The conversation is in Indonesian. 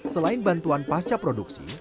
selain bantuan pasca produksi